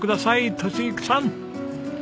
敏之さん！